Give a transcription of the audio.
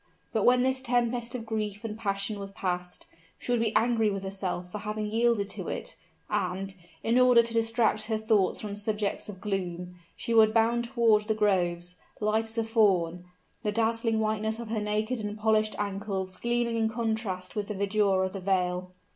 But when this tempest of grief and passion was past, she would be angry with herself for having yielded to it; and, in order to distract her thoughts from subjects of gloom, she would bound toward the groves, light as a fawn, the dazzling whiteness of her naked and polished ankles gleaming in contrast with the verdure of the vale.